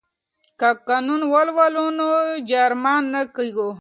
که قانون ولولو نو جریمه نه کیږو.